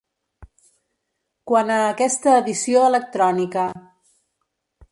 Quant a aquesta edició electrònica